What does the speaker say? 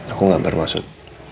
aku gak bermaksud